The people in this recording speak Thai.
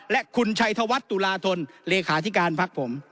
และคุณชัยธวัฒน์ตุลาธนเลขาธิการพักผม